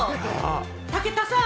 武田さん！